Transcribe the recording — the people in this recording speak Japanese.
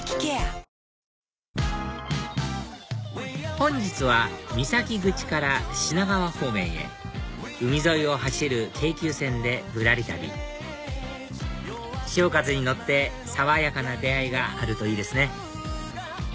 本日は三崎口から品川方面へ海沿いを走る京急線でぶらり旅潮風に乗って爽やかな出会いがあるといいですね